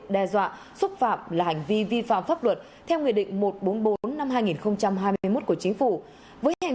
đe dọa xúc phạm là hành vi vi phạm pháp luật theo nghị định một trăm bốn mươi bốn năm hai nghìn hai mươi một của chính phủ với hành